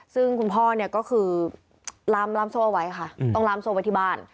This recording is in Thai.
ซึ่งคุณพ่อเนี่ยก็คือล่ามโซ่เอาไว้ค่ะต้องล่ามโซ่ไว้ที่บ้าน